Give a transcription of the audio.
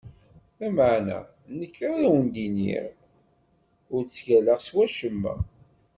Lameɛna, nekk ad wen-iniɣ: ur ttgallat s wacemma.